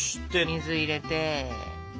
水入れて。